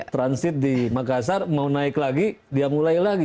transit di makassar mau naik lagi dia mulai lagi